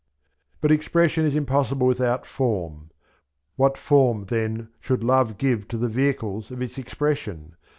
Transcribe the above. But expression is impossible without Form. What Form, then, should Love give to the vehicles of its expression?